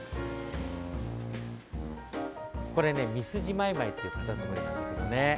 これねミスジマイマイっていうカタツムリなんだけどね。